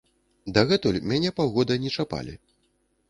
Дагэтуль мяне паўгода не чапалі.